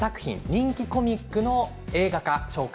人気コミックの映画化です。